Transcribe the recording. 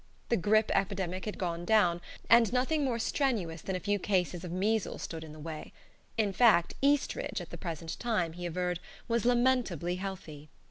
The grippe epidemic had gone down, nothing more strenuous than a few cases of measles stood in the way; in fact, Eastridge at the present time, he averred, was lamentably healthy.